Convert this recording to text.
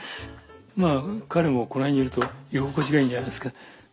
まあ彼もこの辺にいると居心地がいいんじゃないですか。